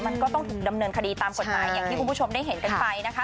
มันก็ต้องถูกดำเนินคดีตามกฎหมายอย่างที่คุณผู้ชมได้เห็นกันไปนะคะ